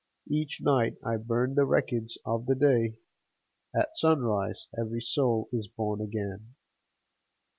Each night I burn the records of the day, — At sunrise every soul is born again